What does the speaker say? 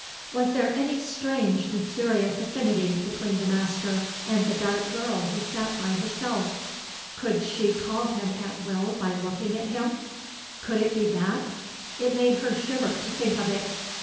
Was there any strange, mysterious affinity between the master and the dark girl who sat by herself? Could she call him at will by looking at him? Could it be that ? It made her shiver to think of it.